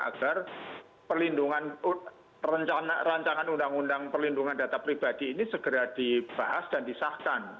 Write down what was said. agar rancangan undang undang perlindungan data pribadi ini segera dibahas dan disahkan